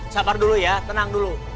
sapar dulu ya tenang dulu